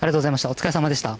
お疲れさまでした。